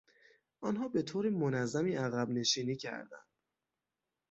آنها به طور منظمی عقبنشینی کردند.